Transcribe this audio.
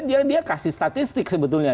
dia kasih statistik sebetulnya